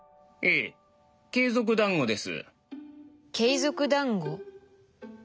エ継続だんごです」。